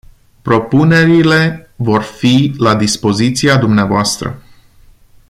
Propunerile vor fi la dispoziția dumneavoastră.